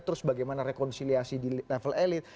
terus bagaimana rekonsiliasi di level elit